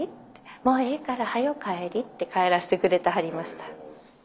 もうええからはよ帰り」って帰らせてくれてはりました。